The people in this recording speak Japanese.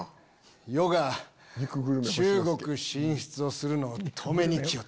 余が中国進出をするのを止めに来よったか。